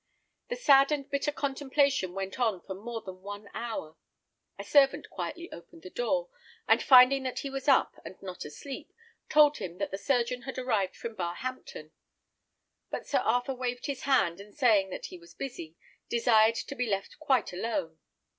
The sad and bitter contemplation went on for more than one hour. A servant quietly opened the door, and finding that he was up, and not asleep, told him that the surgeon had arrived from Barhampton; but Sir Arthur waved his hand, and saying that he was busy, desired to be left quite alone.